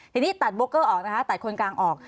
ทีนี้ตัดโบเกอร์ออกนะคะตัดคนกลางออก